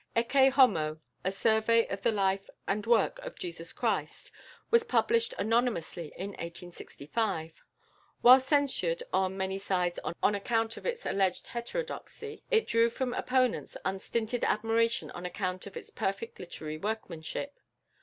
"Ecce Homo; a Survey of the Life and Work of Jesus Christ," was published anonymously in 1865. While censured on many sides on account of its alleged heterodoxy, it drew from opponents unstinted admiration on account of its perfect literary workmanship.